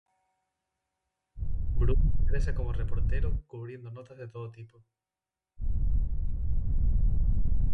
Bruno ingresa como reportero, cubriendo notas de todo tipo.